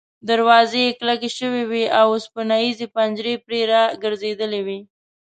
دروازې یې کلکې شوې وې او اوسپنیزې پنجرې پرې را ګرځېدلې وې.